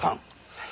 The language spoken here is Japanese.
はい。